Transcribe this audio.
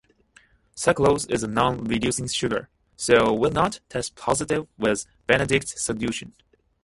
Sucrose is a non-reducing sugar, so will not test positive with Benedict's solution.